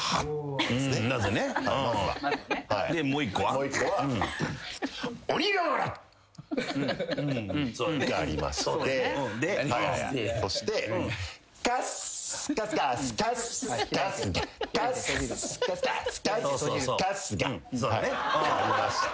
もう１個は鬼瓦！がありましてそして「カスカスカスカス春日」「カスカスカスカス春日」ありまして。